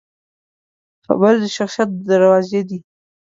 خبرې د شخصیت دروازې دي